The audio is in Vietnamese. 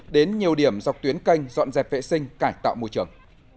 đến nhiều điểm dọc tuyến kênh dọn dẹp vệ sinh cải tạo môi trường